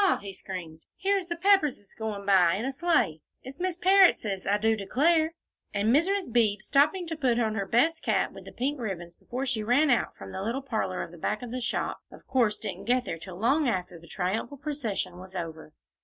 he screamed, "here's the Pepperses goin' by in a sleigh; it's Miss Parrottses, I do declare." And Mrs. Beebe, stopping to put on her best cap with the pink ribbons before she ran out from the little parlor back of the shop, of course didn't get there till long after the triumphal procession was over.